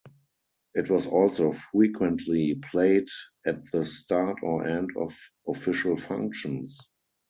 It was also frequently played at the start or end of official functions.